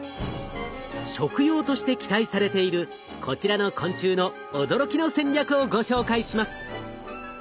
食用として期待されているこちらの昆虫の驚きの戦略をご紹介します。